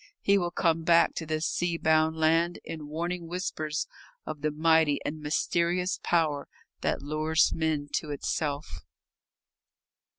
He will come back to this sea bound land in warning whispers of the mighty and mysterious power that lures men to itself.